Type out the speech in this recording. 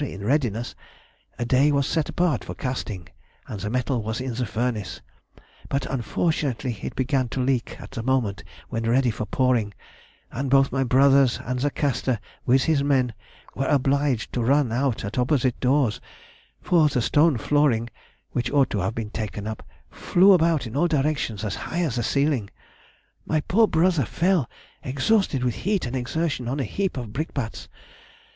in readiness, a day was set apart for casting, and the metal was in the furnace, but unfortunately it began to leak at the moment when ready for pouring, and both my brothers and the caster with his men were obliged to run out at opposite doors, for the stone flooring (which ought to have been taken up) flew about in all directions, as high as the ceiling. My poor brother fell, exhausted with heat and exertion, on a heap of brickbats.